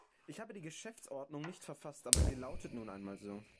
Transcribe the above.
Ich habe die Geschäftsordnung nicht verfasst, aber sie lautet nun einmal so.